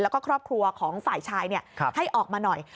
แล้วก็ครอบครัวของฝ่ายชายให้ออกมาหน่อย